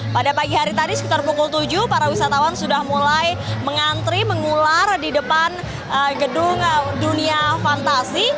pada pagi hari tadi sekitar pukul tujuh para wisatawan sudah mulai mengantri mengular di depan gedung dunia fantasi